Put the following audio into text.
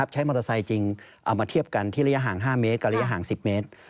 ใช้มอเตอร์ไซค์จริงเอามาเทียบกันที่ระยะห่าง๕เมตรกับระยะห่าง๑๐เมตร